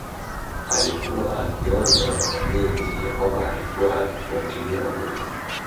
Alikuwa akionywa maranyingi ya kwamba alikuwa akifuatiliwa na polisi